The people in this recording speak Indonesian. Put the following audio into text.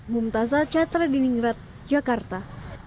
mumtazah chaitra di ningrat jakarta